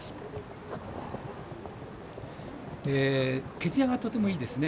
毛づやがとてもいいですね。